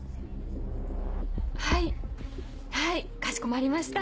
はいはいかしこまりました。